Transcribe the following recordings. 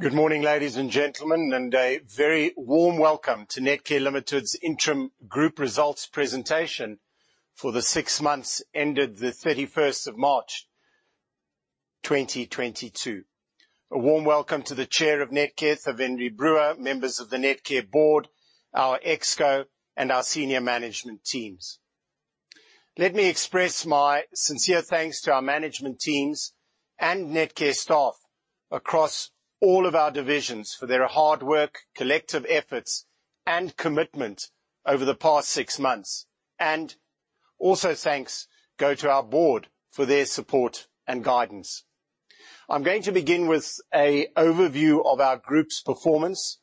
Good morning, ladies and gentlemen, and a very warm welcome to Netcare Limited's interim group results presentation for the six months ended the 31st of March 2022. A warm welcome to the chair of Netcare, Sir Mark Bower, members of the Netcare board, our exco and our senior management teams. Let me express my sincere thanks to our management teams and Netcare staff across all of our divisions for their hard work, collective efforts, and commitment over the past six months. Also thanks go to our board for their support and guidance. I'm going to begin with an overview of our group's performance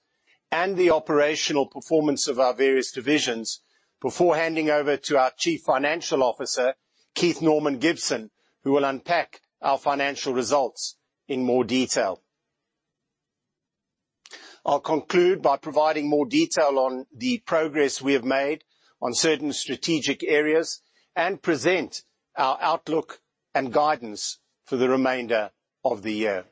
and the operational performance of our various divisions before handing over to our chief financial officer, Keith Norman Gibson, who will unpack our financial results in more detail. I'll conclude by providing more detail on the progress we have made on certain strategic areas and present our outlook and guidance for the remainder of the year.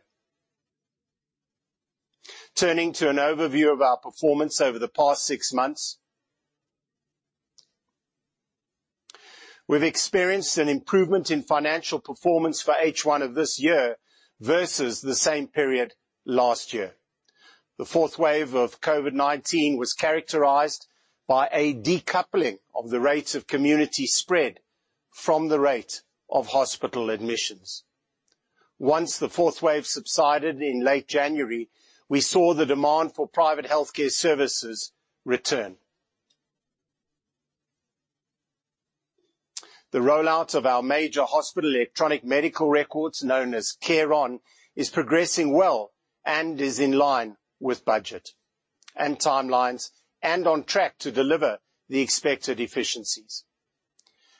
Turning to an overview of our performance over the past six months. We've experienced an improvement in financial performance for H1 of this year versus the same period last year. The fourth wave of COVID-19 was characterized by a decoupling of the rates of community spread from the rate of hospital admissions. Once the fourth wave subsided in late January, we saw the demand for private healthcare services return. The rollout of our major hospital electronic medical records, known as CareOn, is progressing well and is in line with budget and timelines, and on track to deliver the expected efficiencies.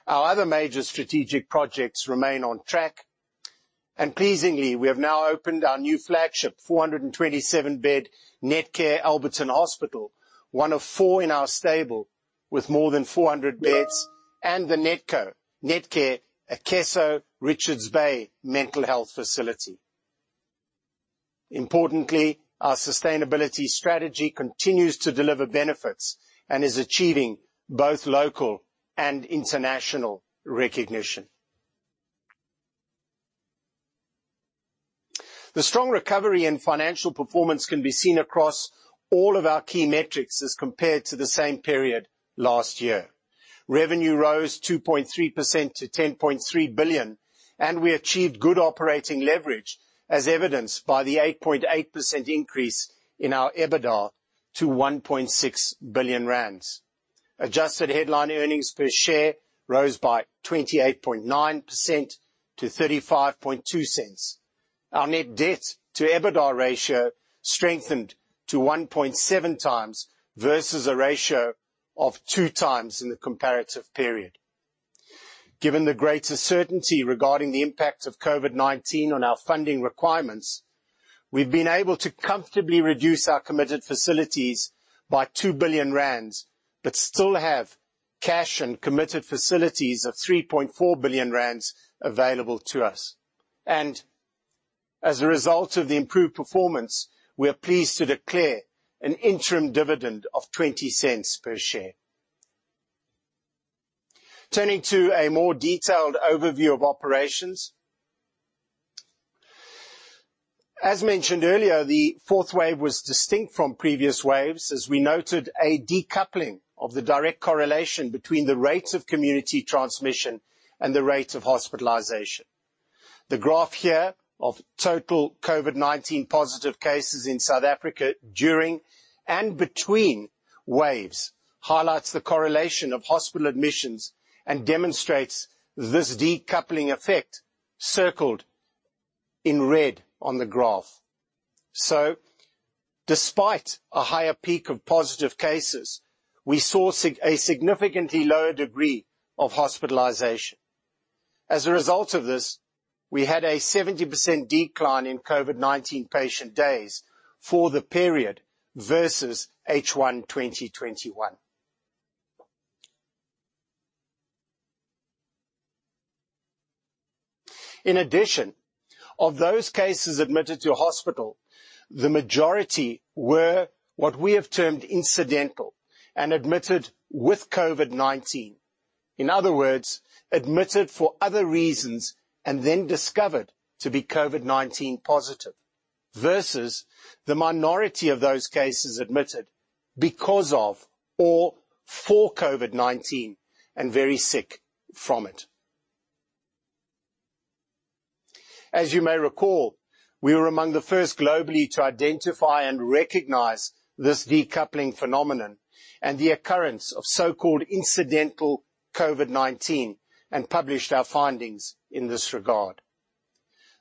Our other major strategic projects remain on track. Pleasingly, we have now opened our new flagship 427-bed Netcare Alberton Hospital, one of 4 in our stable with more than 400 beds and the Netcare Akeso Richards Bay Mental Health Facility. Importantly, our sustainability strategy continues to deliver benefits and is achieving both local and international recognition. The strong recovery in financial performance can be seen across all of our key metrics as compared to the same period last year. Revenue rose 2.3% to 10.3 billion, and we achieved good operating leverage as evidenced by the 8.8% increase in our EBITDA to 1.6 billion rand. Adjusted headline earnings per share rose by 28.9% to 0.352. Our net debt to EBITDA ratio strengthened to 1.7 times versus a ratio of 2 times in the comparative period. Given the greater certainty regarding the impact of COVID-19 on our funding requirements, we've been able to comfortably reduce our committed facilities by 2 billion rand, but still have cash and committed facilities of 3.4 billion rand available to us. As a result of the improved performance, we are pleased to declare an interim dividend of 0.20 per share. Turning to a more detailed overview of operations. As mentioned earlier, the fourth wave was distinct from previous waves, as we noted a decoupling of the direct correlation between the rates of community transmission and the rate of hospitalization. The graph here of total COVID-19 positive cases in South Africa during and between waves highlights the correlation of hospital admissions and demonstrates this decoupling effect circled in red on the graph. Despite a higher peak of positive cases, we saw a significantly lower degree of hospitalization. As a result of this, we had a 70% decline in COVID-19 patient days for the period versus H1 2021. In addition, of those cases admitted to a hospital, the majority were what we have termed incidental and admitted with COVID-19. In other words, admitted for other reasons and then discovered to be COVID-19 positive, versus the minority of those cases admitted because of or for COVID-19 and very sick from it. As you may recall, we were among the first globally to identify and recognize this decoupling phenomenon and the occurrence of so-called incidental COVID-19, and published our findings in this regard.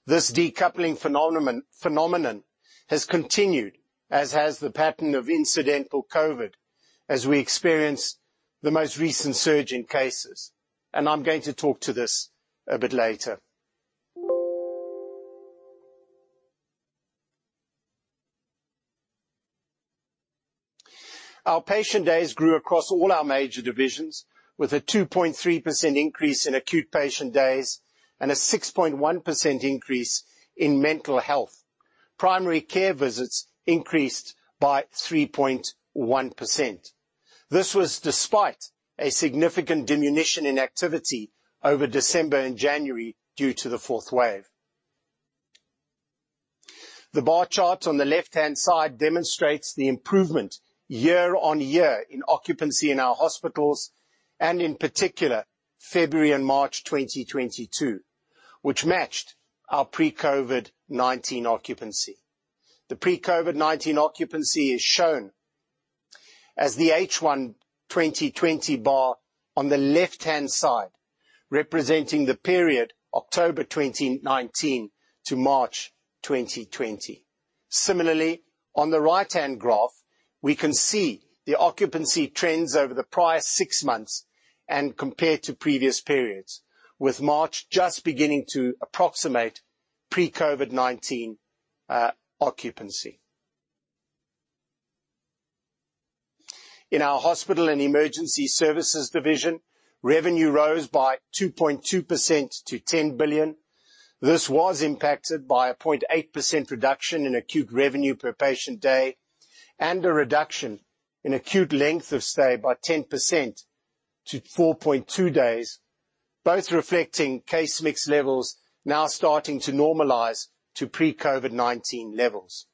This decoupling phenomenon has continued as has the pattern of incidental COVID as we experienced the most recent surge in cases, and I'm going to talk to this a bit later. Our patient days grew across all our major divisions, with a 2.3% increase in acute patient days and a 6.1% increase in mental health. Primary care visits increased by 3.1%. This was despite a significant diminution in activity over December and January due to the fourth wave. The bar chart on the left-hand side demonstrates the improvement year-on-year in occupancy in our hospitals, and in particular, February and March 2022, which matched our pre-COVID-19 occupancy. The pre-COVID-19 occupancy is shown as the H1 2020 bar on the left-hand side, representing the period October 2019 to March 2020. Similarly, on the right-hand graph, we can see the occupancy trends over the prior six months and compared to previous periods, with March just beginning to approximate pre-COVID-19 occupancy. In our hospital and emergency services division, revenue rose by 2.2% to 10 billion. This was impacted by a 0.8% reduction in acute revenue per patient day and a reduction in acute length of stay by 10% to 4.2 days, both reflecting case mix levels now starting to normalize to pre-COVID-19 levels.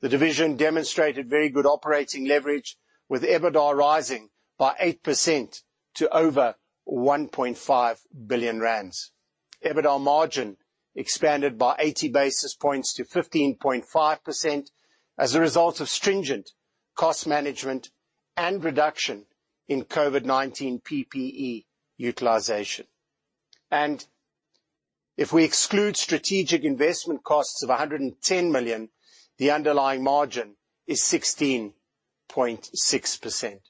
The division demonstrated very good operating leverage, with EBITDA rising by 8% to over 1.5 billion rand. EBITDA margin expanded by 80 basis points to 15.5% as a result of stringent cost management and reduction in COVID-19 PPE utilization. If we exclude strategic investment costs of 110 million, the underlying margin is 16.6%.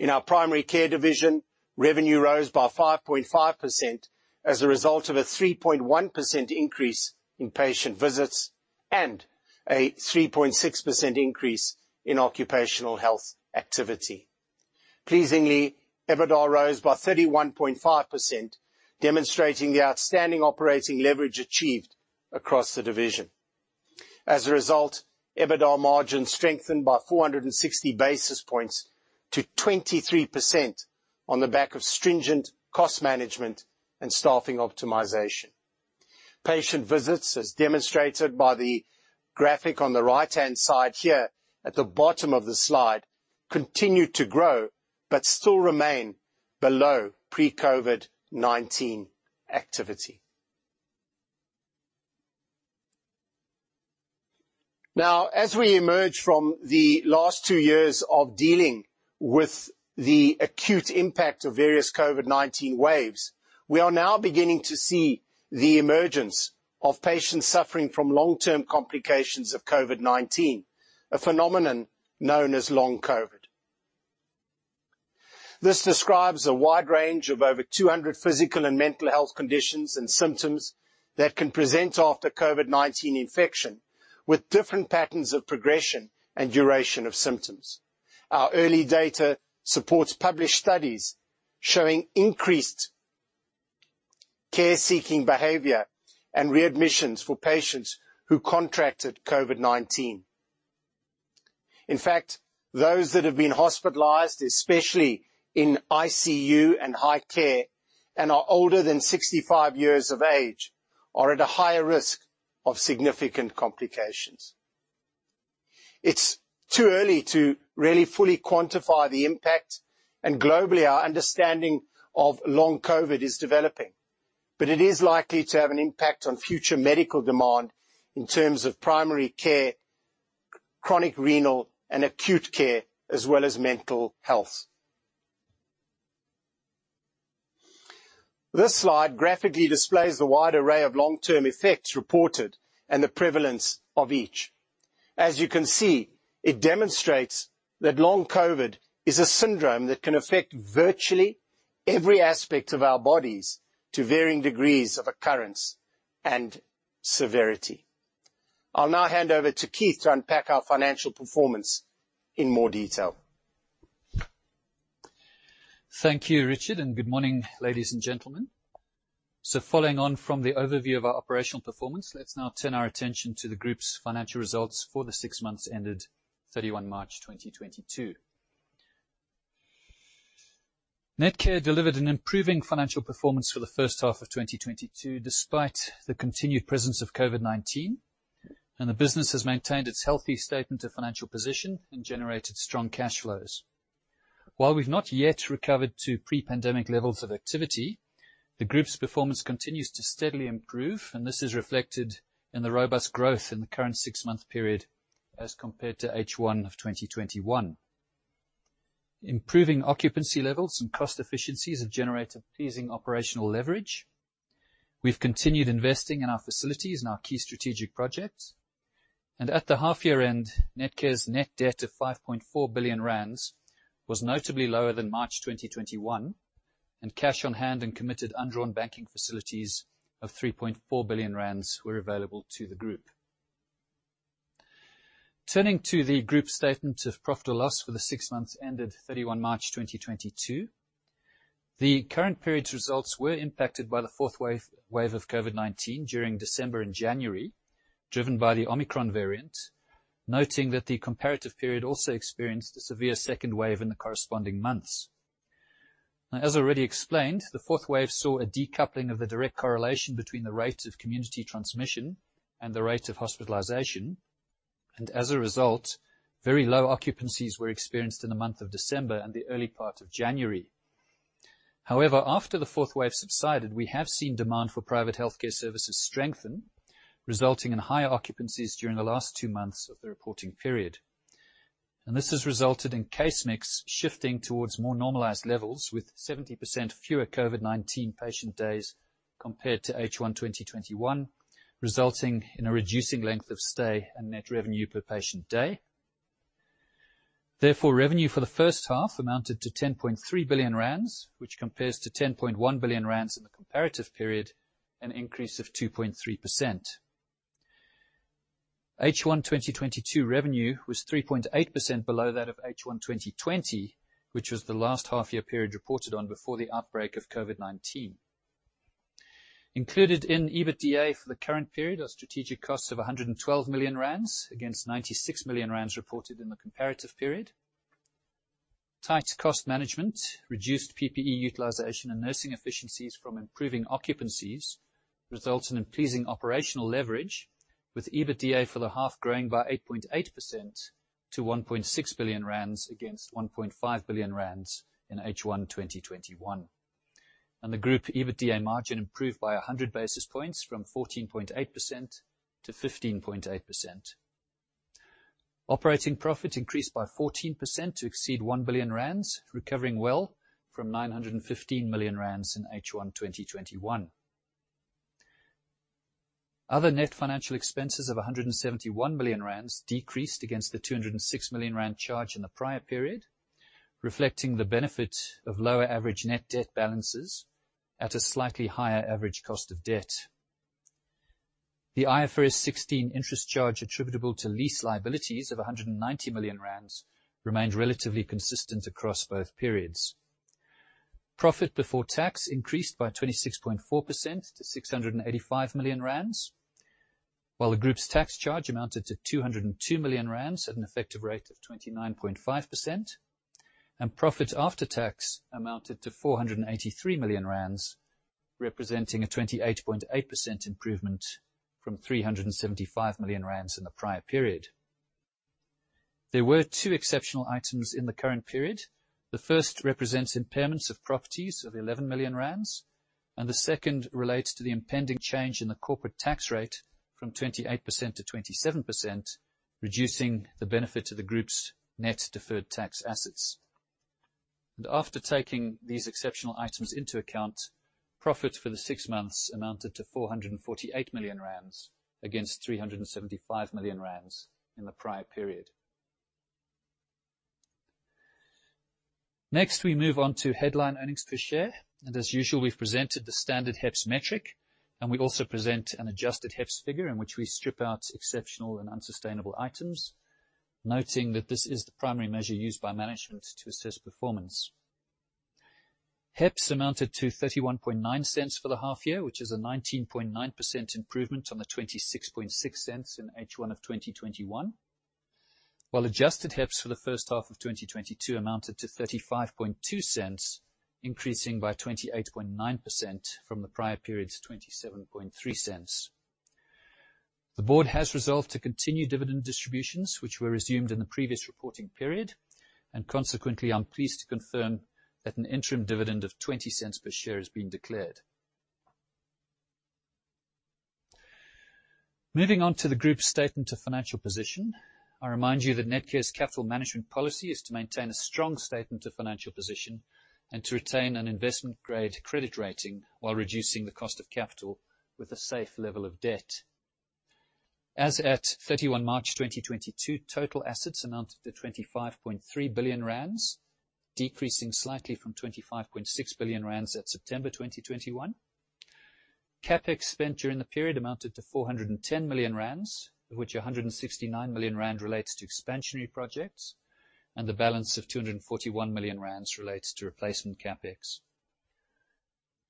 In our primary care division, revenue rose by 5.5% as a result of a 3.1% increase in patient visits and a 3.6% increase in occupational health activity. Pleasingly, EBITDA rose by 31.5%, demonstrating the outstanding operating leverage achieved across the division. As a result, EBITDA margin strengthened by 460 basis points to 23% on the back of stringent cost management and staffing optimization. Patient visits, as demonstrated by the graphic on the right-hand side here at the bottom of the slide, continued to grow but still remain below pre-COVID-19 activity. Now, as we emerge from the last 2 years of dealing with the acute impact of various COVID-19 waves, we are now beginning to see the emergence of patients suffering from long-term complications of COVID-19, a phenomenon known as long COVID. This describes a wide range of over 200 physical and mental health conditions and symptoms that can present after COVID-19 infection, with different patterns of progression and duration of symptoms. Our early data supports published studies showing increased care-seeking behavior and readmissions for patients who contracted COVID-19. In fact, those that have been hospitalized, especially in ICU and high care and are older than 65 years of age, are at a higher risk of significant complications. It's too early to really fully quantify the impact, and globally, our understanding of long COVID is developing. It is likely to have an impact on future medical demand in terms of primary care, chronic renal, and acute care, as well as mental health. This slide graphically displays the wide array of long-term effects reported and the prevalence of each. As you can see, it demonstrates that long COVID is a syndrome that can affect virtually every aspect of our bodies to varying degrees of occurrence and severity. I'll now hand over to Keith to unpack our financial performance in more detail. Thank you, Richard, and good morning, ladies and gentlemen. Following on from the overview of our operational performance, let's now turn our attention to the group's financial results for the six months ended 31 March 2022. Netcare delivered an improving financial performance for the first half of 2022, despite the continued presence of COVID-19, and the business has maintained its healthy statement of financial position and generated strong cash flows. While we've not yet recovered to pre-pandemic levels of activity, the group's performance continues to steadily improve, and this is reflected in the robust growth in the current six-month period as compared to H1 of 2021. Improving occupancy levels and cost efficiencies have generated pleasing operational leverage. We've continued investing in our facilities and our key strategic projects. At the half year end, Netcare's net debt of 5.4 billion rand was notably lower than March 2021. Cash on hand and committed undrawn banking facilities of 3.4 billion rand were available to the group. Turning to the group statement of profit or loss for the six months ended 31 March 2022. The current period's results were impacted by the fourth wave of COVID-19 during December and January, driven by the Omicron variant, noting that the comparative period also experienced a severe second wave in the corresponding months. Now, as already explained, the fourth wave saw a decoupling of the direct correlation between the rate of community transmission and the rate of hospitalization. As a result, very low occupancies were experienced in the month of December and the early part of January. However, after the fourth wave subsided, we have seen demand for private healthcare services strengthen, resulting in higher occupancies during the last two months of the reporting period. This has resulted in case mix shifting towards more normalized levels with 70% fewer COVID-19 patient days compared to H1 2021, resulting in a reducing length of stay and net revenue per patient day. Therefore, revenue for the first half amounted to 10.3 billion rand, which compares to 10.1 billion rand in the comparative period, an increase of 2.3%. H1 2022 revenue was 3.8% below that of H1 2020, which was the last half year period reported on before the outbreak of COVID-19. Included in EBITDA for the current period are strategic costs of 112 million rand against 96 million rand reported in the comparative period. Tight cost management, reduced PPE utilization, and nursing efficiencies from improving occupancies result in pleasing operational leverage, with EBITDA for the half growing by 8.8% to 1.6 billion rand against 1.5 billion rand in H1 2021. The group EBITDA margin improved by 100 basis points from 14.8% to 15.8%. Operating profit increased by 14% to exceed 1 billion rand, recovering well from 915 million rand in H1 2021. Other net financial expenses of 171 million rand decreased against the 206 million rand charge in the prior period, reflecting the benefit of lower average net debt balances at a slightly higher average cost of debt. The IFRS 16 interest charge attributable to lease liabilities of 190 million rand remained relatively consistent across both periods. Profit before tax increased by 26.4% to 685 million rand, while the group's tax charge amounted to 202 million rand at an effective rate of 29.5%. Profit after tax amounted to 483 million rand, representing a 28.8% improvement from 375 million rand in the prior period. There were two exceptional items in the current period. The first represents impairments of properties of 11 million rand, and the second relates to the impending change in the corporate tax rate from 28% to 27%, reducing the benefit to the group's net deferred tax assets. After taking these exceptional items into account, profit for the six months amounted to 448 million rand against 375 million rand in the prior period. Next, we move on to headline earnings per share. As usual, we've presented the standard HEPS metric, and we also present an adjusted HEPS figure in which we strip out exceptional and unsustainable items, noting that this is the primary measure used by management to assess performance. HEPS amounted to 0.319 for the half year, which is a 19.9% improvement on the 0.266 in H1 of 2021. While adjusted HEPS for the first half of 2022 amounted to 0.352, increasing by 28.9% from the prior period's 0.273. The board has resolved to continue dividend distributions, which were resumed in the previous reporting period. Consequently, I'm pleased to confirm that an interim dividend of 0.20 per share is being declared. Moving on to the group statement of financial position. I remind you that Netcare's capital management policy is to maintain a strong statement of financial position and to retain an investment-grade credit rating while reducing the cost of capital with a safe level of debt. As at 31 March 2022, total assets amounted to 25.3 billion rand, decreasing slightly from 25.6 billion rand at September 2021. CapEx spent during the period amounted to 410 million rand, of which 169 million rand relates to expansionary projects, and the balance of 241 million rand relates to replacement CapEx.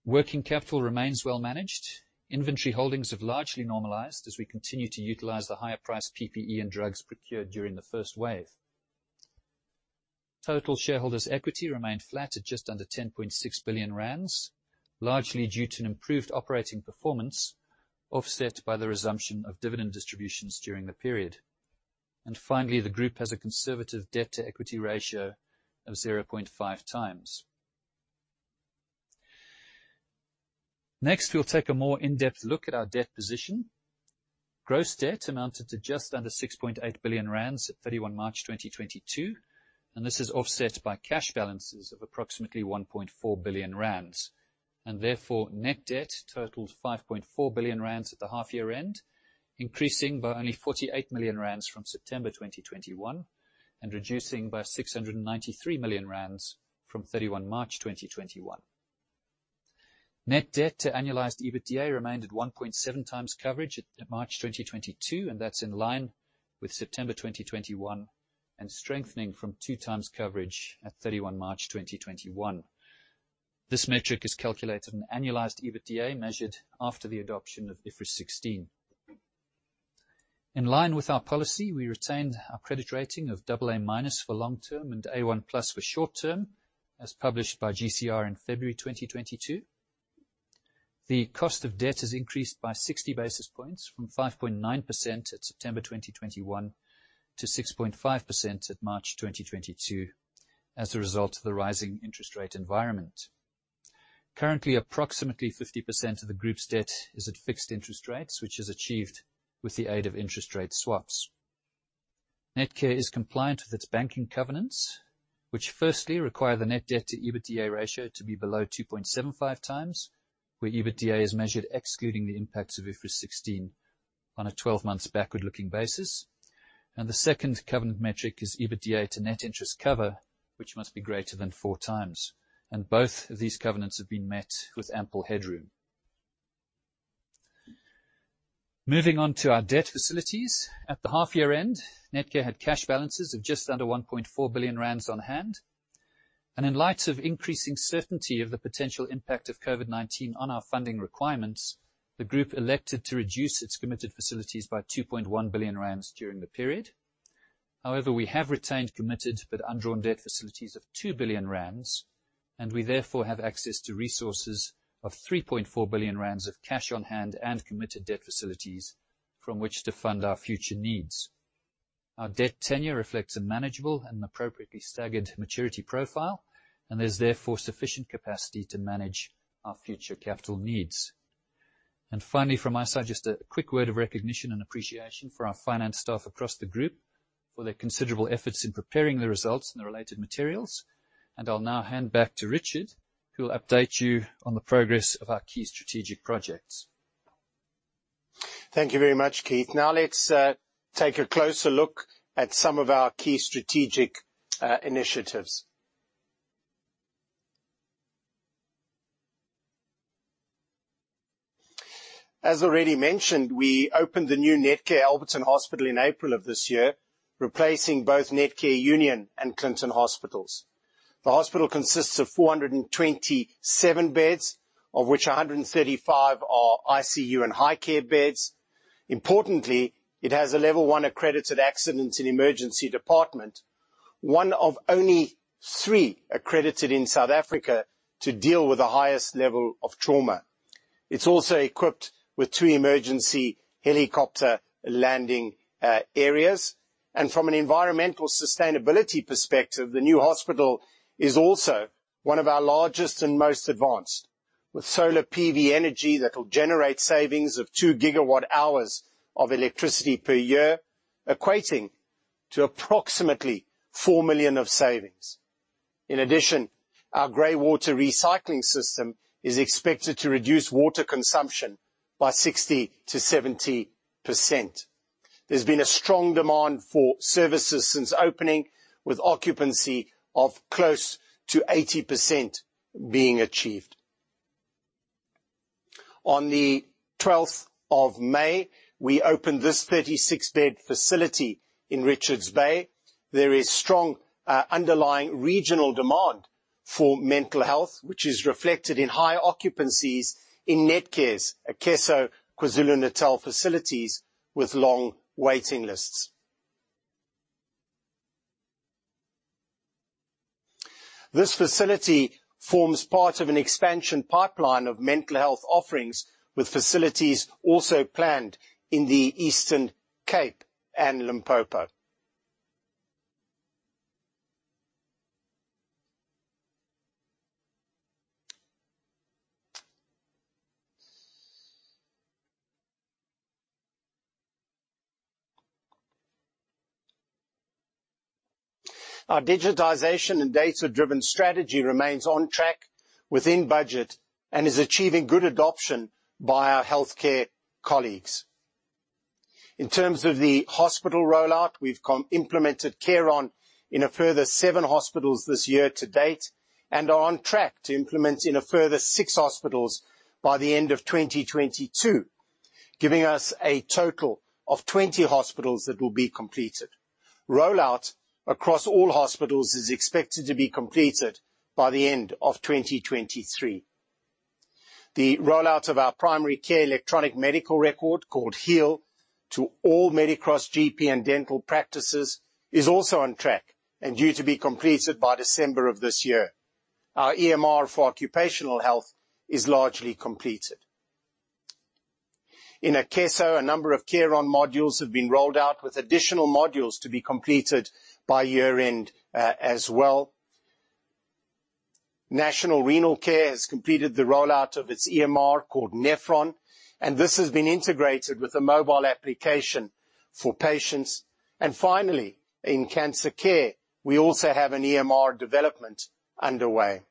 Working capital remains well managed. Inventory holdings have largely normalized as we continue to utilize the higher price PPE and drugs procured during the first wave. Total shareholders' equity remained flat at just under 10.6 billion rand, largely due to an improved operating performance, offset by the resumption of dividend distributions during the period. Finally, the group has a conservative debt-to-equity ratio of 0.5 times. Next, we'll take a more in-depth look at our debt position. Gross debt amounted to just under 6.8 billion rand at 31 March 2022, and this is offset by cash balances of approximately 1.4 billion rand. Therefore, net debt totaled 5.4 billion rand at the half year end, increasing by only 48 million rand from September 2021, and reducing by 693 million rand from 31 March 2021. Net debt to annualized EBITDA remained at 1.7 times coverage at March 2022, and that's in line with September 2021, and strengthening from 2 times coverage at 31 March 2021. This metric is calculated on annualized EBITDA, measured after the adoption of IFRS 16. In line with our policy, we retained our credit rating of AA- for long-term and A1+ for short-term, as published by GCR in February 2022. The cost of debt has increased by 60 basis points from 5.9% at September 2021 to 6.5% at March 2022 as a result of the rising interest rate environment. Currently, approximately 50% of the group's debt is at fixed interest rates, which is achieved with the aid of interest rate swaps. Netcare is compliant with its banking covenants, which firstly require the net debt to EBITDA ratio to be below 2.75 times, where EBITDA is measured excluding the impacts of IFRS 16 on a 12 months backward-looking basis. The second covenant metric is EBITDA to net interest cover, which must be greater than 4 times, and both of these covenants have been met with ample headroom. Moving on to our debt facilities. At the half-year end, Netcare had cash balances of just under 1.4 billion rand on hand. In light of increasing certainty of the potential impact of COVID-19 on our funding requirements, the group elected to reduce its committed facilities by 2.1 billion rand during the period. However, we have retained committed but undrawn debt facilities of 2 billion rand, and we therefore have access to resources of 3.4 billion rand of cash on hand and committed debt facilities from which to fund our future needs. Our debt tenure reflects a manageable and appropriately staggered maturity profile and there's therefore sufficient capacity to manage our future capital needs. Finally, from my side, just a quick word of recognition and appreciation for our finance staff across the group for their considerable efforts in preparing the results and the related materials. I'll now hand back to Richard, who will update you on the progress of our key strategic projects. Thank you very much, Keith. Now let's take a closer look at some of our key strategic initiatives. As already mentioned, we opened the new Netcare Alberton Hospital in April of this year, replacing both Netcare Union Hospital and Netcare Clinton Hospital. The hospital consists of 427 beds, of which 135 are ICU and high care beds. Importantly, it has a level one accredited accidents and emergency department, one of only three accredited in South Africa to deal with the highest level of trauma. It's also equipped with two emergency helicopter landing areas. From an environmental sustainability perspective, the new hospital is also one of our largest and most advanced, with solar PV energy that will generate savings of 2 gigawatt-hours of electricity per year, equating to approximately 4 million of savings. In addition, our gray water recycling system is expected to reduce water consumption by 60%-70%. There's been a strong demand for services since opening, with occupancy of close to 80% being achieved. On the twelfth of May, we opened this 36-bed facility in Richards Bay. There is strong underlying regional demand for mental health, which is reflected in high occupancies in Netcare's Akeso KwaZulu-Natal facilities with long waiting lists. This facility forms part of an expansion pipeline of mental health offerings, with facilities also planned in the Eastern Cape and Limpopo. Our digitization and data-driven strategy remains on track within budget and is achieving good adoption by our healthcare colleagues. In terms of the hospital rollout, we've implemented CareOn in a further 7 hospitals this year to date and are on track to implement in a further 6 hospitals by the end of 2022, giving us a total of 20 hospitals that will be completed. Rollout across all hospitals is expected to be completed by the end of 2023. The rollout of our primary care electronic medical record, called Heal, to all Medicross GP and dental practices is also on track and due to be completed by December of this year. Our EMR for occupational health is largely completed. In Akeso, a number of CareOn modules have been rolled out with additional modules to be completed by year-end, as well. National Renal Care has completed the rollout of its EMR, called NephrOn, and this has been integrated with a mobile application for patients. Finally, in cancer care, we also have an EMR development underway.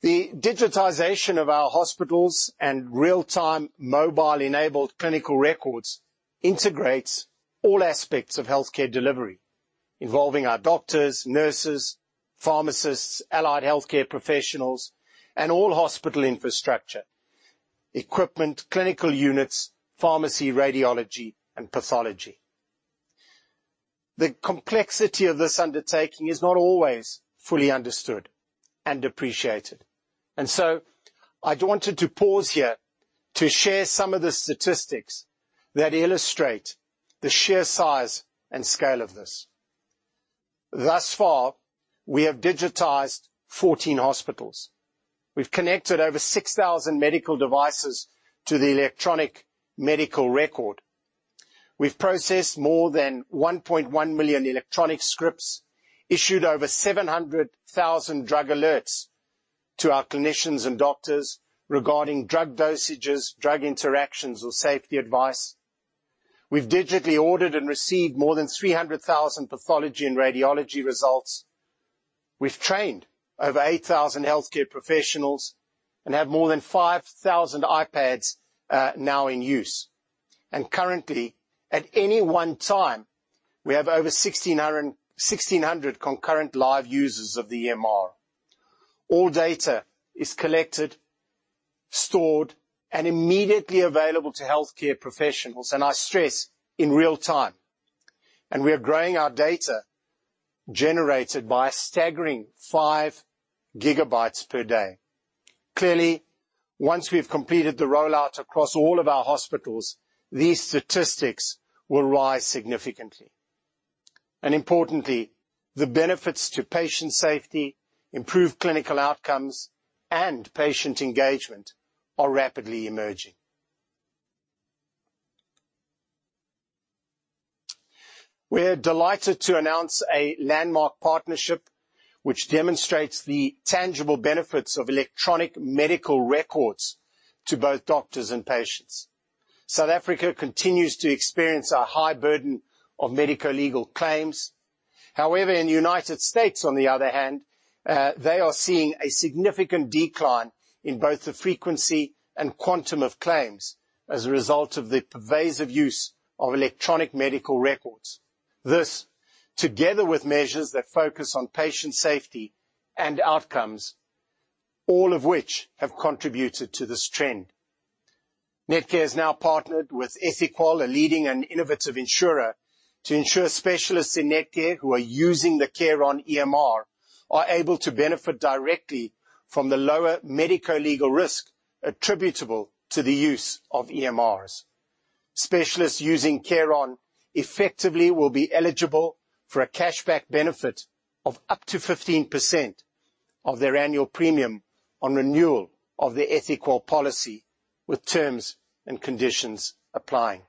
The digitization of our hospitals and real-time mobile-enabled clinical records integrates all aspects of healthcare delivery, involving our doctors, nurses, pharmacists, allied healthcare professionals, and all hospital infrastructure, equipment, clinical units, pharmacy, radiology, and pathology. The complexity of this undertaking is not always fully understood and appreciated. I wanted to pause here to share some of the statistics that illustrate the sheer size and scale of this. Thus far, we have digitized 14 hospitals. We've connected over 6,000 medical devices to the electronic medical record. We've processed more than 1.1 million electronic scripts, issued over 700,000 drug alerts to our clinicians and doctors regarding drug dosages, drug interactions, or safety advice. We've digitally ordered and received more than 300,000 pathology and radiology results. We've trained over 8,000 healthcare professionals and have more than 5,000 iPads now in use. Currently, at any one time, we have over 1,600 concurrent live users of the EMR. All data is collected, stored, and immediately available to healthcare professionals, and I stress in real time. We are growing our data generated by a staggering 5 GB per day. Clearly, once we've completed the rollout across all of our hospitals, these statistics will rise significantly. Importantly, the benefits to patient safety, improved clinical outcomes, and patient engagement are rapidly emerging. We're delighted to announce a landmark partnership which demonstrates the tangible benefits of electronic medical records to both doctors and patients. South Africa continues to experience a high burden of medico-legal claims. However, in the United States, on the other hand, they are seeing a significant decline in both the frequency and quantum of claims as a result of the pervasive use of electronic medical records. This, together with measures that focus on patient safety and outcomes, all of which have contributed to this trend. Netcare has now partnered with EthiQal, a leading and innovative insurer, to ensure specialists in Netcare who are using the CareOn EMR are able to benefit directly from the lower medico-legal risk attributable to the use of EMRs. Specialists using CareOn effectively will be eligible for a cashback benefit of up to 15% of their annual premium on renewal of their EthiQal policy, with terms and conditions applying.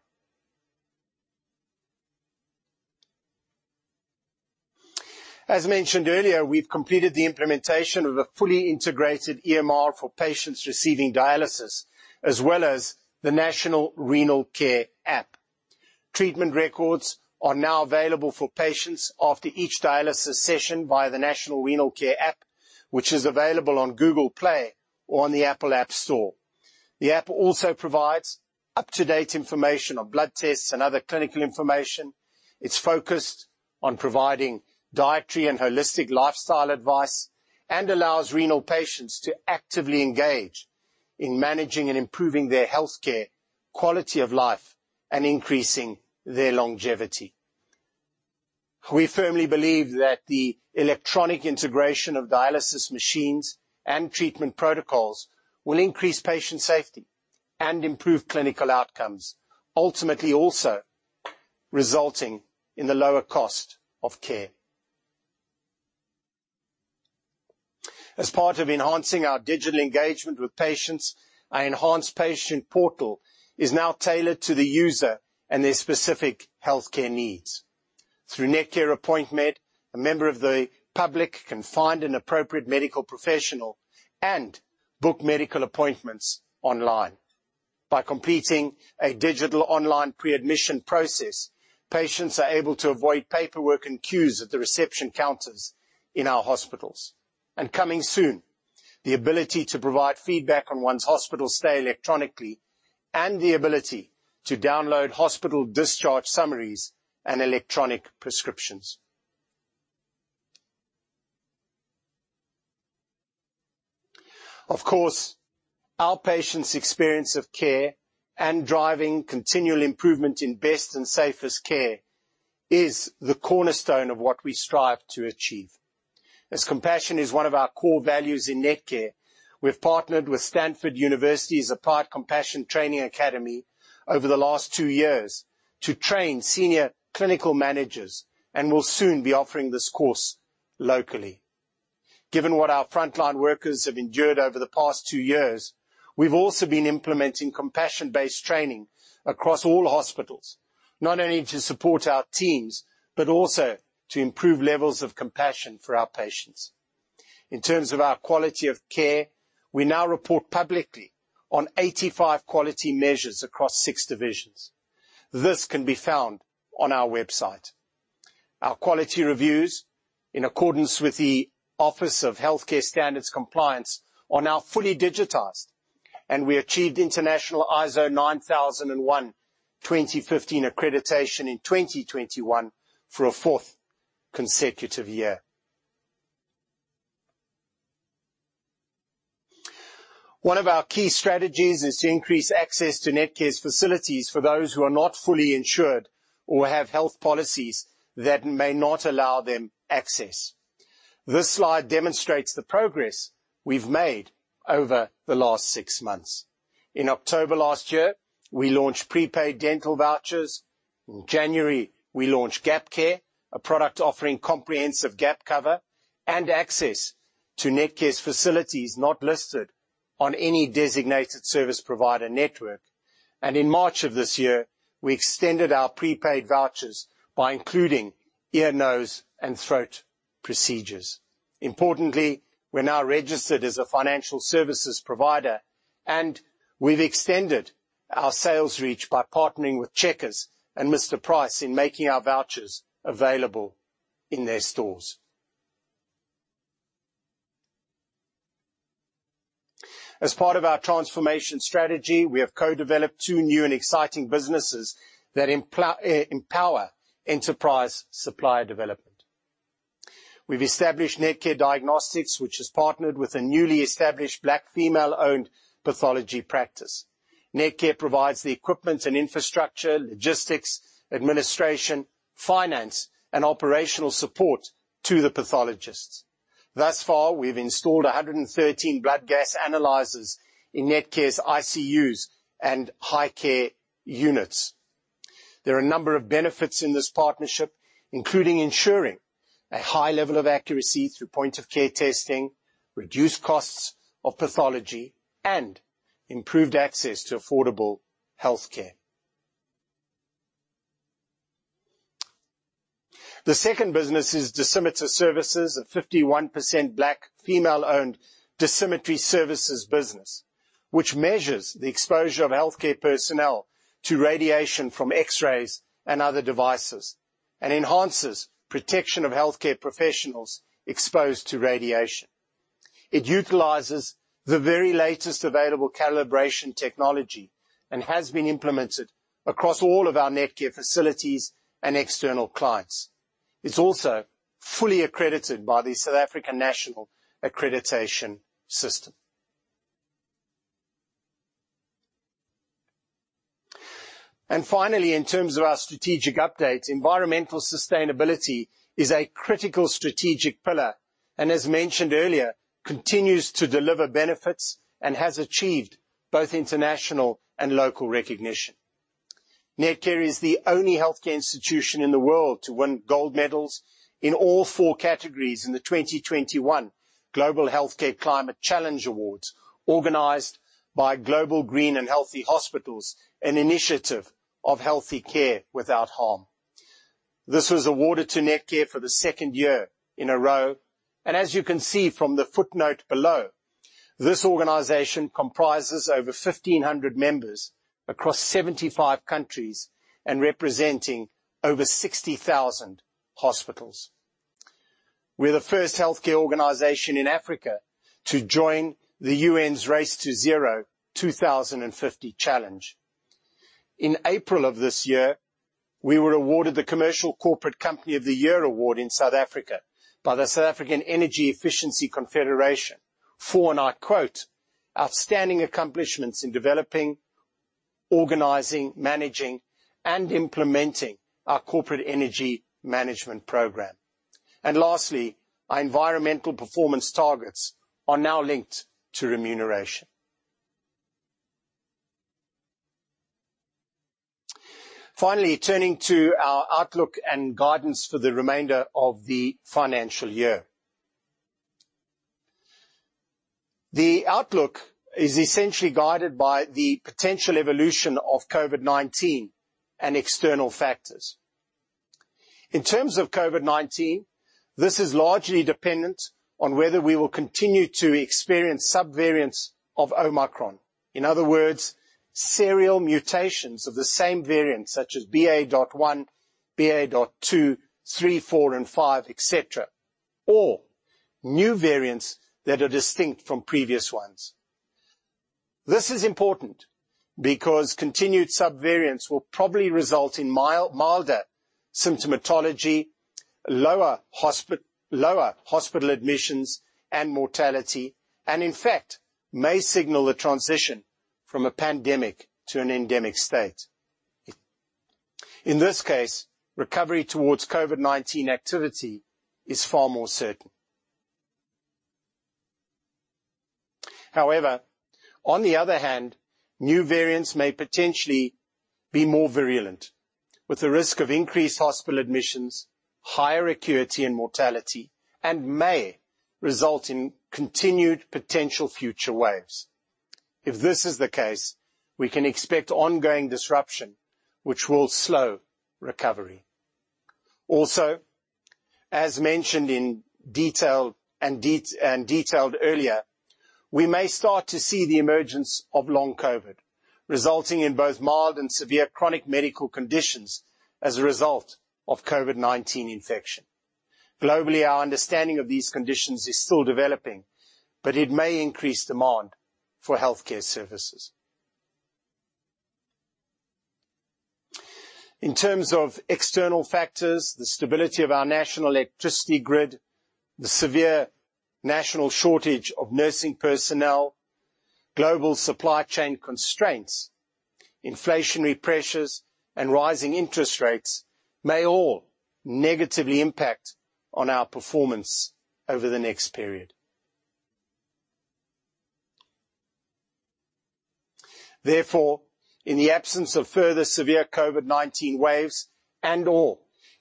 As mentioned earlier, we've completed the implementation of a fully integrated EMR for patients receiving dialysis, as well as the National Renal Care app. Treatment records are now available for patients after each dialysis session via the National Renal Care app, which is available on Google Play or on the Apple App Store. The app also provides up-to-date information on blood tests and other clinical information. It's focused on providing dietary and holistic lifestyle advice, and allows renal patients to actively engage in managing and improving their healthcare, quality of life, and increasing their longevity. We firmly believe that the electronic integration of dialysis machines and treatment protocols will increase patient safety and improve clinical outcomes, ultimately also resulting in the lower cost of care. As part of enhancing our digital engagement with patients, our enhanced patient portal is now tailored to the user and their specific healthcare needs. Through Netcare appointmed, a member of the public can find an appropriate medical professional and book medical appointments online. By completing a digital online pre-admission process, patients are able to avoid paperwork and queues at the reception counters in our hospitals. Coming soon, the ability to provide feedback on one's hospital stay electronically and the ability to download hospital discharge summaries and electronic prescriptions. Of course, our patients' experience of care and driving continual improvement in best and safest care is the cornerstone of what we strive to achieve. As compassion is one of our core values in Netcare, we've partnered with Stanford University's Applied Compassion Academy over the last two years to train senior clinical managers and will soon be offering this course locally. Given what our frontline workers have endured over the past two years, we've also been implementing compassion-based training across all hospitals, not only to support our teams, but also to improve levels of compassion for our patients. In terms of our quality of care, we now report publicly on 85 quality measures across six divisions. This can be found on our website. Our quality reviews, in accordance with the Office of Health Standards Compliance, are now fully digitized, and we achieved international ISO 9001:2015 accreditation in 2021 for a fourth consecutive year. One of our key strategies is to increase access to Netcare's facilities for those who are not fully insured or have health policies that may not allow them access. This slide demonstrates the progress we've made over the last six months. In October last year, we launched prepaid dental vouchers. In January, we launched GapCare, a product offering comprehensive gap cover and access to Netcare's facilities not listed on any designated service provider network. In March of this year, we extended our prepaid vouchers by including ear, nose, and throat procedures. Importantly, we're now registered as a financial services provider, and we've extended our sales reach by partnering with Checkers and Mr Price in making our vouchers available in their stores. As part of our transformation strategy, we have co-developed two new and exciting businesses that empower enterprise supplier development. We've established Netcare Diagnostics, which has partnered with a newly established Black female-owned pathology practice. Netcare provides the equipment and infrastructure, logistics, administration, finance, and operational support to the pathologists. Thus far, we've installed 113 blood gas analyzers in Netcare's ICUs and high care units. There are a number of benefits in this partnership, including ensuring a high level of accuracy through point-of-care testing, reduced costs of pathology, and improved access to affordable healthcare. The second business is Dosimeter Services, a 51% Black female-owned dosimetry services business, which measures the exposure of healthcare personnel to radiation from X-rays and other devices and enhances protection of healthcare professionals exposed to radiation. It utilizes the very latest available calibration technology and has been implemented across all of our Netcare facilities and external clients. It's also fully accredited by the South African National Accreditation System. Finally, in terms of our strategic updates, environmental sustainability is a critical strategic pillar and, as mentioned earlier, continues to deliver benefits and has achieved both international and local recognition. Netcare is the only healthcare institution in the world to win gold medals in all four categories in the 2021 Health Care Climate Challenge Awards, organized by Global Green and Healthy Hospitals, an initiative of Health Care Without Harm. This was awarded to Netcare for the second year in a row, and as you can see from the footnote below, this organization comprises over 1,500 members across 75 countries and representing over 60,000 hospitals. We're the first healthcare organization in Africa to join the UN's Race to Zero 2050 challenge. In April of this year, we were awarded the Commercial Corporate Company of the Year award in South Africa by the Southern African Energy Efficiency Confederation for, and I quote, "Outstanding accomplishments in developing, organizing, managing, and implementing our corporate energy management program." Lastly, our environmental performance targets are now linked to remuneration. Finally, turning to our outlook and guidance for the remainder of the financial year. The outlook is essentially guided by the potential evolution of COVID-19 and external factors. In terms of COVID-19, this is largely dependent on whether we will continue to experience subvariants of Omicron. In other words, serial mutations of the same variant such as BA.1, BA.2, three, four, and five, et cetera, or new variants that are distinct from previous ones. This is important because continued subvariants will probably result in mild, milder symptomatology, lower hospital admissions and mortality, and in fact, may signal the transition from a pandemic to an endemic state. In this case, recovery towards COVID-19 activity is far more certain. However, on the other hand, new variants may potentially be more virulent, with the risk of increased hospital admissions, higher acuity and mortality, and may result in continued potential future waves. If this is the case, we can expect ongoing disruption which will slow recovery. Also, as mentioned in detail and detailed earlier, we may start to see the emergence of long COVID, resulting in both mild and severe chronic medical conditions as a result of COVID-19 infection. Globally, our understanding of these conditions is still developing, but it may increase demand for healthcare services. In terms of external factors, the stability of our national electricity grid, the severe national shortage of nursing personnel, global supply chain constraints, inflationary pressures and rising interest rates may all negatively impact on our performance over the next period. Therefore, in the absence of further severe COVID-19 waves and/or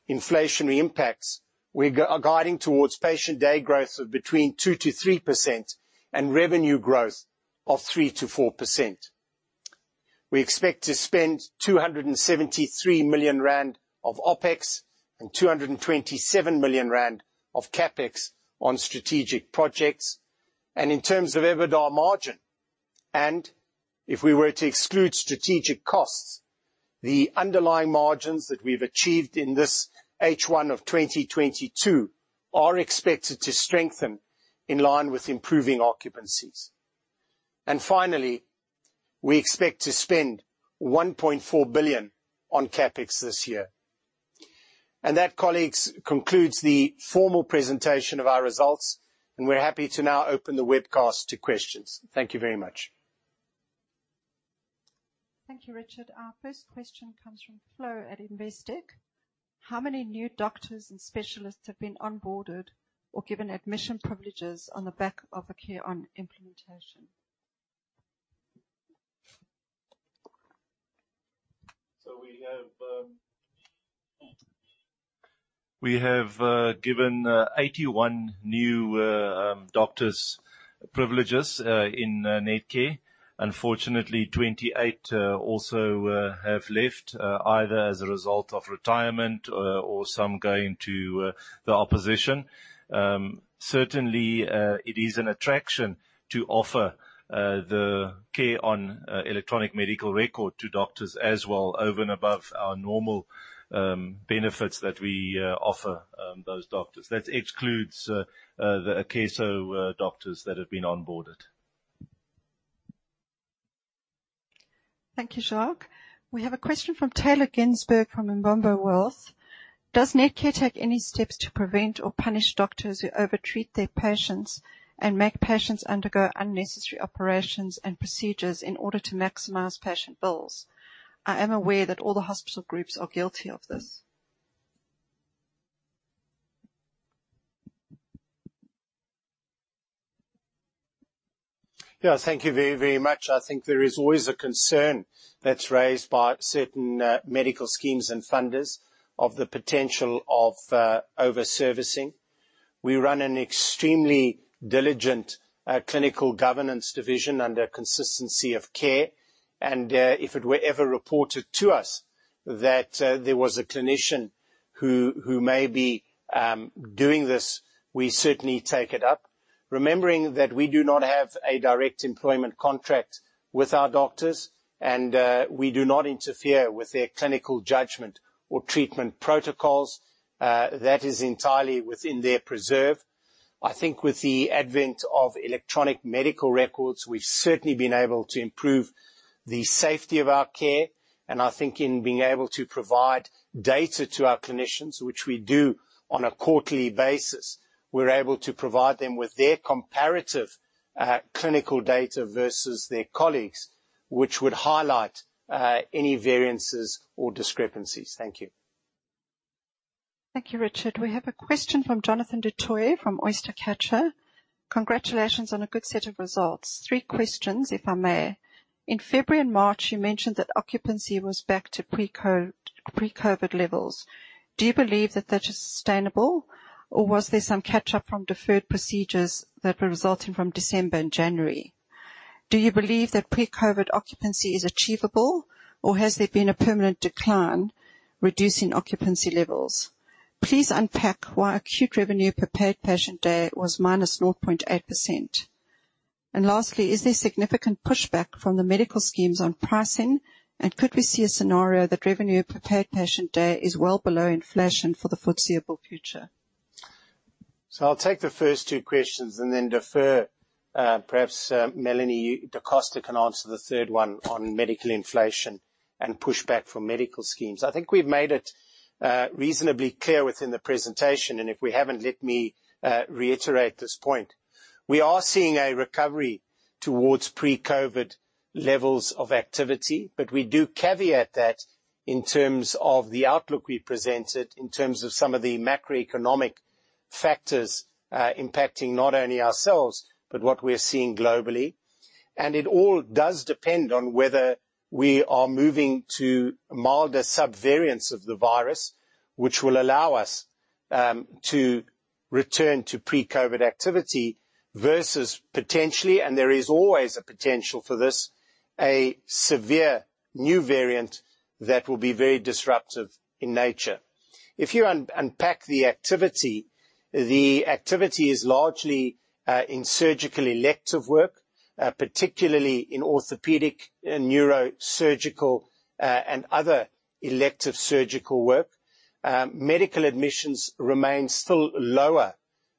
inflationary impacts, we're guiding towards patient day growth of between 2%-3% and revenue growth of 3%-4%. We expect to spend 273 million rand of OpEx and 227 million rand of CapEx on strategic projects. In terms of EBITDA margin, and if we were to exclude strategic costs, the underlying margins that we've achieved in this H1 of 2022 are expected to strengthen in line with improving occupancies. Finally, we expect to spend 1.4 billion on CapEx this year. That, colleagues, concludes the formal presentation of our results, and we're happy to now open the webcast to questions. Thank you very much. Thank you, Richard. Our first question comes from Flo at Investec. How many new doctors and specialists have been onboarded or given admission privileges on the back of the CareOn implementation? We have given 81 new doctors privileges in Netcare. Unfortunately, 28 also have left either as a result of retirement or some going to the opposition. Certainly, it is an attraction to offer the CareOn electronic medical record to doctors as well, over and above our normal benefits that we offer those doctors. That excludes the Akeso doctors that have been onboarded. Thank you, Jacques. We have a question from Taylor Gillespie, from Imbombo Wealth. Does Netcare take any steps to prevent or punish doctors who over-treat their patients and make patients undergo unnecessary operations and procedures in order to maximize patient bills? I am aware that all the hospital groups are guilty of this. Yeah. Thank you very, very much. I think there is always a concern that's raised by certain medical schemes and funders of the potential of over-servicing. We run an extremely diligent clinical governance division under consistency of care, and if it were ever reported to us that there was a clinician who may be doing this, we certainly take it up. Remembering that we do not have a direct employment contract with our doctors and we do not interfere with their clinical judgment or treatment protocols. That is entirely within their preserve. I think with the advent of electronic medical records, we've certainly been able to improve the safety of our care. I think in being able to provide data to our clinicians, which we do on a quarterly basis, we're able to provide them with their comparative, clinical data versus their colleagues, which would highlight any variances or discrepancies. Thank you. Thank you, Richard. We have a question from Jonathan du Toit from Oyster Catcher Investments. Congratulations on a good set of results. Three questions, if I may. In February and March, you mentioned that occupancy was back to pre-COVID levels. Do you believe that that is sustainable or was there some catch-up from deferred procedures that were resulting from December and January? Do you believe that pre-COVID occupancy is achievable or has there been a permanent decline reducing occupancy levels? Please unpack why acute revenue per paid patient day was minus 0.8%. Lastly, is there significant pushback from the medical schemes on pricing and could we see a scenario that revenue per paid patient day is well below inflation for the foreseeable future? I'll take the first two questions and then defer, perhaps, Melanie da Costa can answer the third one on medical inflation and pushback from medical schemes. I think we've made it reasonably clear within the presentation, and if we haven't, let me reiterate this point. We are seeing a recovery towards pre-COVID levels of activity, but we do caveat that in terms of the outlook we presented, in terms of some of the macroeconomic factors, impacting not only ourselves, but what we're seeing globally. It all does depend on whether we are moving to milder subvariants of the virus, which will allow us to return to pre-COVID activity versus potentially, and there is always a potential for this, a severe new variant that will be very disruptive in nature. If you unpack the activity, the activity is largely in surgical elective work, particularly in orthopedic and neurosurgical and other elective surgical work. Medical admissions remain still lower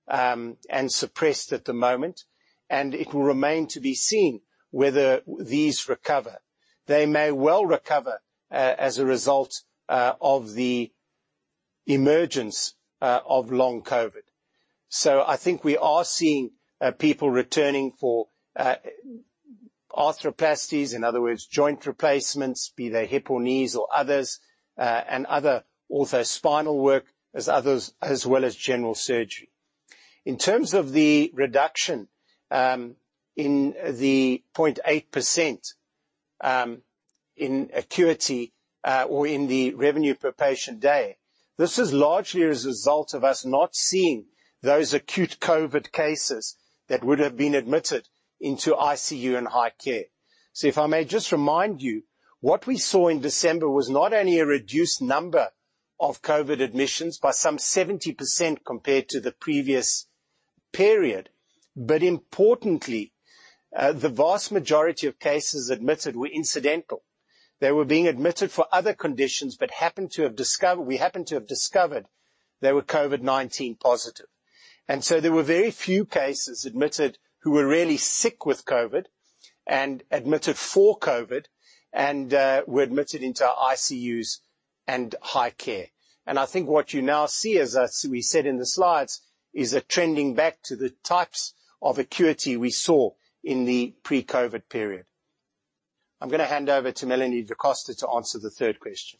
and suppressed at the moment, and it will remain to be seen whether these recover. They may well recover as a result of the emergence of long COVID. I think we are seeing people returning for arthroplasties, in other words, joint replacements, be they hip or knees or others, and other ortho-spinal work, as well as general surgery. In terms of the reduction in the 0.8% in acuity or in the revenue per patient day, this is largely as a result of us not seeing those acute COVID cases that would have been admitted into ICU and high care. If I may just remind you, what we saw in December was not only a reduced number of COVID admissions by some 70% compared to the previous period, but importantly, the vast majority of cases admitted were incidental. They were being admitted for other conditions, but we happened to have discovered they were COVID-19 positive. There were very few cases admitted who were really sick with COVID and admitted for COVID and were admitted into our ICUs and high care. I think what you now see, as we said in the slides, is a trending back to the types of acuity we saw in the pre-COVID period. I'm gonna hand over to Melanie da Costa to answer the third question.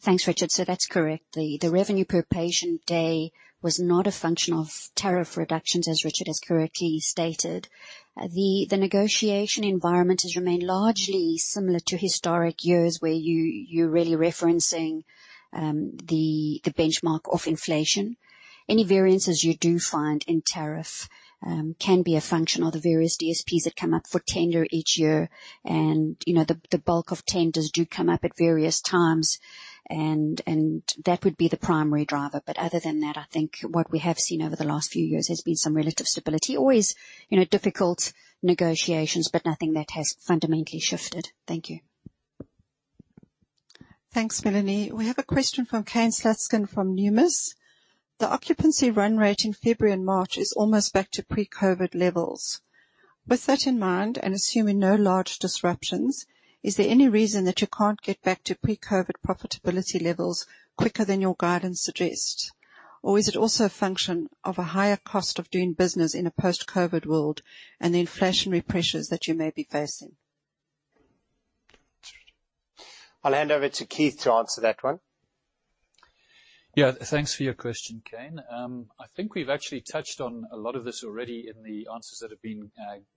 Thanks, Richard. That's correct. The revenue per patient day was not a function of tariff reductions, as Richard has correctly stated. The negotiation environment has remained largely similar to historic years, where you're really referencing the benchmark of inflation. Any variances you do find in tariff can be a function of the various DSPs that come up for tender each year. You know, the bulk of tenders do come up at various times, and that would be the primary driver. Other than that, I think what we have seen over the last few years has been some relative stability. Always, you know, difficult negotiations, but nothing that has fundamentally shifted. Thank you. Thanks, Melanie. We have a question from Kane Slutzkin from Numis. The occupancy run rate in February and March is almost back to pre-COVID levels. With that in mind, and assuming no large disruptions, is there any reason that you can't get back to pre-COVID profitability levels quicker than your guidance suggests? Or is it also a function of a higher cost of doing business in a post-COVID world and the inflationary pressures that you may be facing? I'll hand over to Keith to answer that one. Yeah, thanks for your question, Kane. I think we've actually touched on a lot of this already in the answers that have been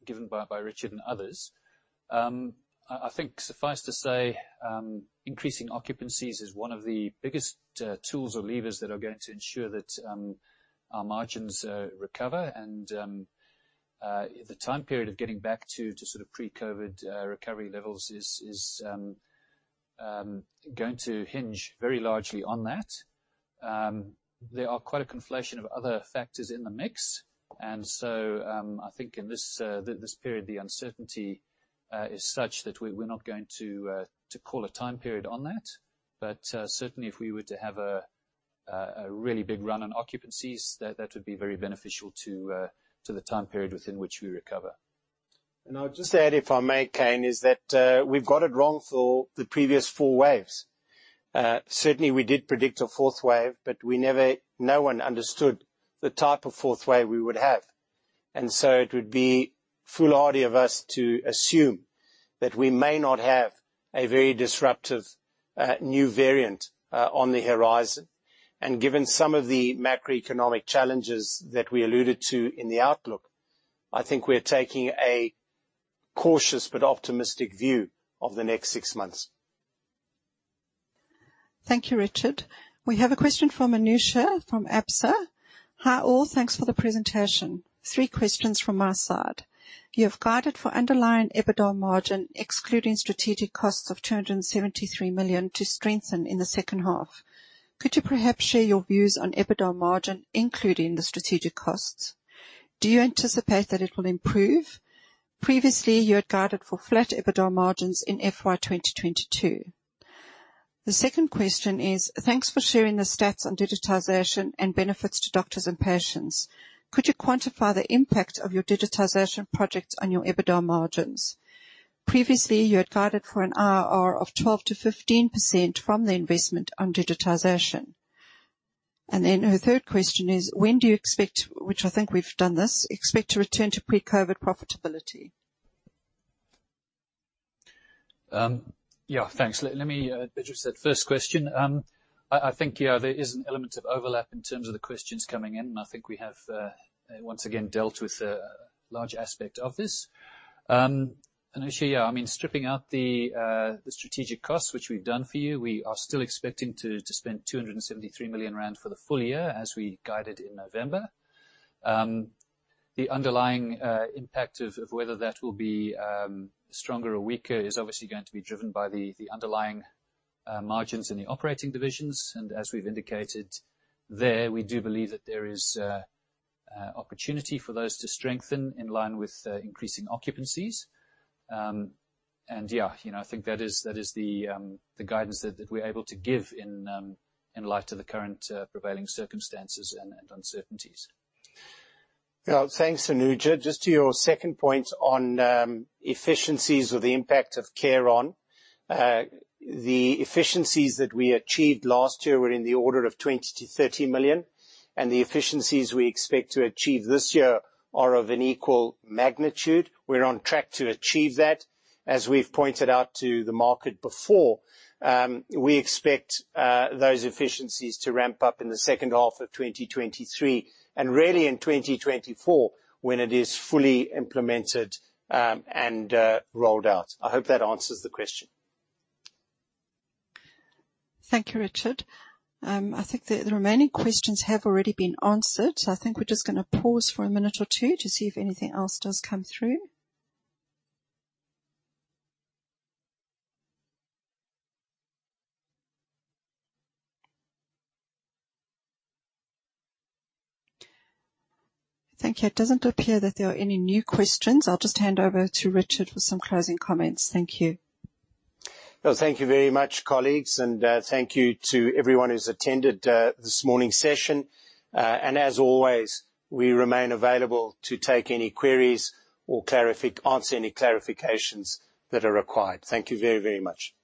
given by Richard and others. I think suffice to say, increasing occupancies is one of the biggest tools or levers that are going to ensure that our margins recover and the time period of getting back to sort of pre-COVID recovery levels is going to hinge very largely on that. There are quite a conflation of other factors in the mix, and so I think in this period, the uncertainty is such that we're not going to call a time period on that. Certainly if we were to have a really big run on occupancies, that would be very beneficial to the time period within which we recover. I'll just add, if I may, Kane, is that we've got it wrong for the previous four waves. Certainly, we did predict a fourth wave, but no one understood the type of fourth wave we would have. It would be foolhardy of us to assume that we may not have a very disruptive new variant on the horizon. Given some of the macroeconomic challenges that we alluded to in the outlook, I think we're taking a cautious but optimistic view of the next six months. Thank you, Richard. We have a question from Anuja from Absa CIB. Hi, all. Thanks for the presentation. Three questions from my side. You have guided for underlying EBITDA margin, excluding strategic costs of 273 million to strengthen in the second half. Could you perhaps share your views on EBITDA margin, including the strategic costs? Do you anticipate that it will improve? Previously, you had guided for flat EBITDA margins in FY 2022. The second question is, thanks for sharing the stats on digitization and benefits to doctors and patients. Could you quantify the impact of your digitization projects on your EBITDA margins? Previously, you had guided for an IRR of 12%-15% from the investment on digitization. Her third question is, when do you expect to return to pre-COVID profitability? Yeah, thanks. Let me address that first question. I think, yeah, there is an element of overlap in terms of the questions coming in, and I think we have once again dealt with a large aspect of this. Actually, yeah, I mean, stripping out the strategic costs, which we've done for you, we are still expecting to spend 273 million rand for the full year as we guided in November. The underlying impact of whether that will be stronger or weaker is obviously going to be driven by the underlying margins in the operating divisions. As we've indicated there, we do believe that there is opportunity for those to strengthen in line with increasing occupancies. Yeah, you know, I think that is the guidance that we're able to give in light of the current prevailing circumstances and uncertainties. Well, thanks, Anuja. Just to your second point on efficiencies or the impact of CareOn. The efficiencies that we achieved last year were in the order of 20-30 million, and the efficiencies we expect to achieve this year are of an equal magnitude. We're on track to achieve that. As we've pointed out to the market before, we expect those efficiencies to ramp up in the second half of 2023, and really in 2024, when it is fully implemented and rolled out. I hope that answers the question. Thank you, Richard. I think the remaining questions have already been answered, so I think we're just gonna pause for a minute or two to see if anything else does come through. Thank you. It doesn't appear that there are any new questions. I'll just hand over to Richard for some closing comments. Thank you. Well, thank you very much, colleagues, and thank you to everyone who's attended this morning's session. As always, we remain available to take any queries or answer any clarifications that are required. Thank you very, very much.